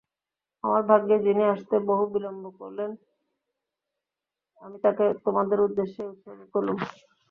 আমার ভাগ্যে যিনি আসতে বহু বিলম্ব করলেন, আমি তাঁকে তোমাদের উদ্দেশেই উৎসর্গ করলুম।